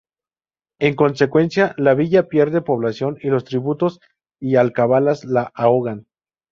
En consecuencia, la Villa pierde población y los tributos y alcabalas la ahogan.